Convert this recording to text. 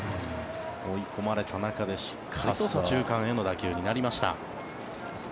追い込まれた中でしっかりと左中間への打球になりました。